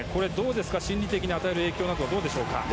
心理的に与える影響などはどうでしょうか。